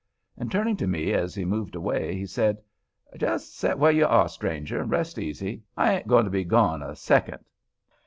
And turning to me as he moved away, he said: "Just set where you are, stranger, and rest easy—I ain't going to be gone a second."